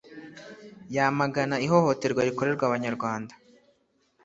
yamagana ihohoterwa rikorerwa Abanyarwanda